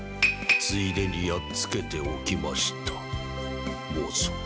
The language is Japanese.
ついでにやっつけておきましたモソ。